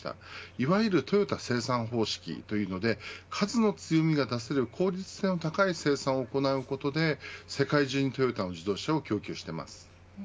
いわゆるトヨタ生産方式と呼ばれるもので数の強みが出せる効率性の高い生産を行うことで世界中にトヨタの自動車を供給しています。